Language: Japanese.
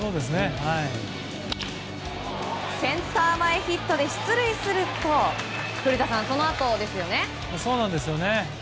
センター前ヒットで出塁すると古田さん、そのあとですよね。